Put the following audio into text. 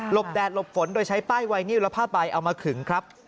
หลบแดดหลบฝนโดยใช้ป้ายไวนี่แล้วผ้าปลายเอามาขึงครับ